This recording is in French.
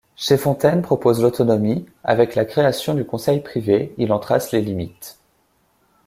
Cheffontaines propose l'autonomie, avec la création du Conseil privé, il en trace les limites.